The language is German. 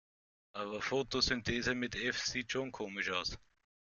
Aber Fotosynthese mit F sieht schon komisch aus.